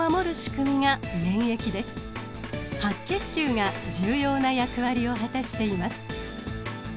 白血球が重要な役割を果たしています。